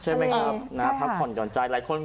ใช่ไหมครับพับผ่อนยอดใจ